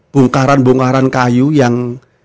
bungkaran bungkaran kayu yang